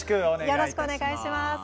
よろしくお願いします。